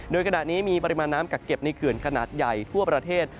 โดยขณะนี้มีปริมาณน้ำกักเก็บในเขื่อนขนาดใหญ่ทั่วประเทศ